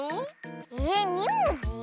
えっ２もじ？